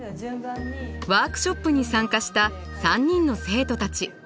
ワークショップに参加した３人の生徒たち。